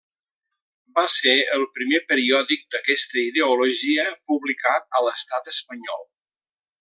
Va ser el primer periòdic d'aquesta ideologia publicat a l'estat Espanyol.